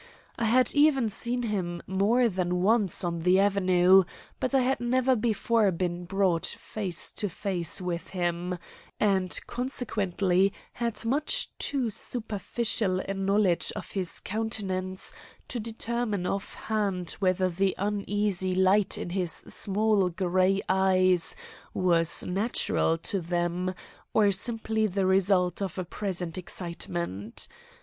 I had even seen him more than once on the avenue, but I had never before been brought face to face with him, and consequently had much too superficial a knowledge of his countenance to determine offhand whether the uneasy light in his small gray eyes was natural to them, or simply the result of present excitement.